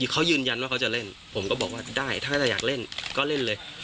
เขายืนยันว่าเขาจะเล่นผมก็บอกว่าได้ถ้าจะอยากเล่นก็เล่นเลย